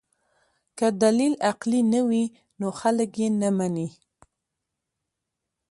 که دلیل عقلي نه وي نو خلک یې نه مني.